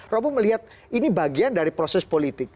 tapi saya lihat ini bagian dari proses politik